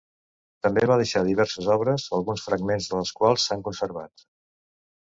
També va deixar diverses obres alguns fragments de les quals s'han conservat.